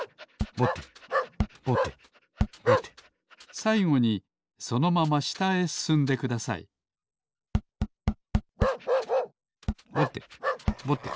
さいごにそのまましたへすすんでくださいぼてぼて。